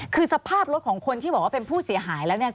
คือสภาพรถของคนที่บอกว่าเป็นผู้เสียหายแล้วเนี่ย